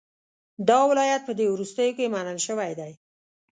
دا ولایت په دې وروستیو کې منل شوی دی.